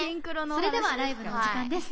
それではライブのお時間です。